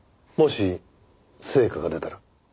もし成果が出たら？